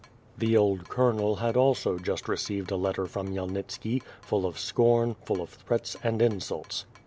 The old colonel had also just received a letter from Khmy elnitski, full of scorn, full of threats, and insults.